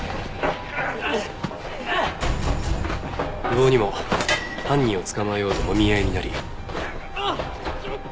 無謀にも犯人を捕まえようともみ合いになり。